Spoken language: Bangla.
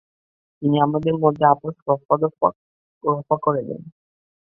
তিনি তাদের মধ্যে আপস রফা করে দেন।